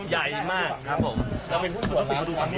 ใหญ่มากครับผม